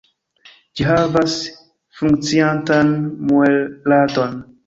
Ĝi havas funkciantan muelradon.